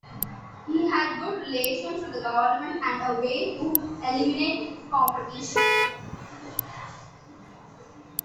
He had good relations with the government and a way to eliminate competition.